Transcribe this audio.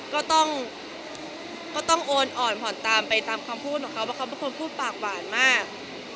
ก็ต้องก็ต้องโอนอ่อนขวัญตามไปตามคำพูดของเขาว่าเขาเป็นคนพูดปากหวานมาก